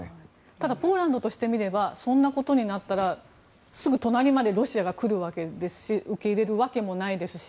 ただポーランドとしてみればそんなことになったらすぐ隣までロシアが来るわけですし受け入れるわけもないですし